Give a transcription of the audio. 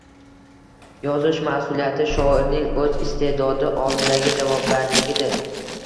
Yozish mas`uliyati shoirning o`z iste`dodi oldidagi javobgarligidir